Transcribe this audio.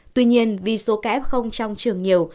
tuy nhiên vì số ca f trong trường nhiều